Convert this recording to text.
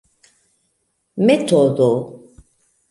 metodo